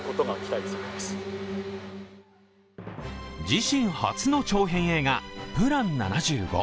自身初の長編映画「ＰＬＡＮ７５」。